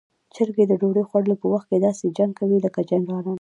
چرګې د ډوډۍ خوړلو په وخت کې داسې جنګ کوي لکه جنرالان.